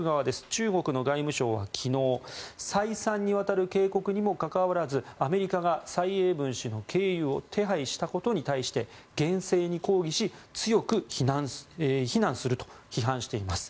中国の外務省は昨日再三にわたる警告にもかかわらずアメリカが蔡英文氏の経由を手配したことに対して厳正に抗議し強く非難すると批判しています。